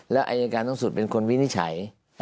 แล้วอัยการต้องสูตรเป็นคนวินิจฉัย